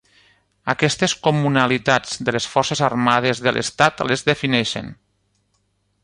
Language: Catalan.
Aquestes comunalitats de les forces armades de l'estat les defineixen.